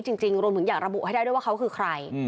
จริงรวมถึงอยากระบุให้ได้ด้วยว่าเขาคือใคร